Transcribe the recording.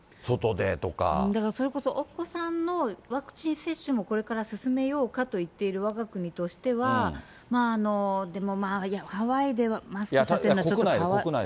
だから、それこそお子さんのワクチン接種もこれから進めようかと言っているわが国としては、でもまあ、ハワイでマスクさせるのはちょっとかわいそう。